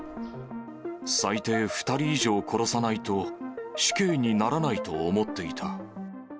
最低２人以上殺さないと、死刑にならないと思っていた。